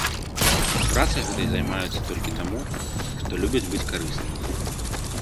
І працай гэтай займаюцца толькі таму, што любяць быць карыснымі.